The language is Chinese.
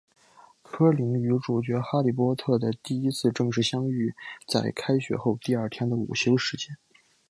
柯林与主角哈利波特的第一次正式相遇在开学后第二天的午休时间。